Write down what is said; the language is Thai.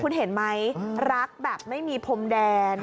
คุณเห็นไหมรักแบบไม่มีพรมแดน